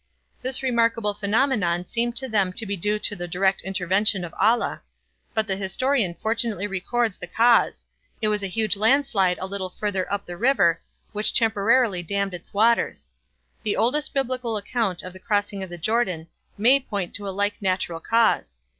This remarkable phenomenon seemed to them to be due to the direct intervention of Allah; but the historian fortunately records the cause: it was a huge landslide a little further up the river which temporarily dammed its waters. The oldest Biblical account of the crossing of the Jordan may point to a like natural cause.